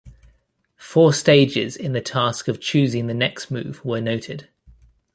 Four stages in the task of choosing the next move were noted.